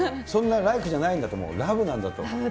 そんなｌｉｋｅじゃないんだと、もうラブなんだと。